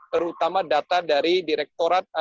terutama data dari direktorat